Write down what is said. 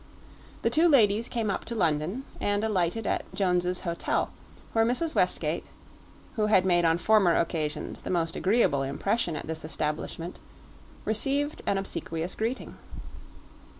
The two ladies came up to London and alighted at Jones's Hotel, where Mrs. Westgate, who had made on former occasions the most agreeable impression at this establishment, received an obsequious greeting.